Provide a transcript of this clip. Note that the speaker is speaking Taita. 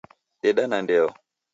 Deda na ndeo